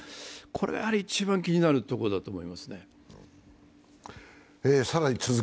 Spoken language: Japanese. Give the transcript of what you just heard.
これはやはり一番気になるところだと思いますね。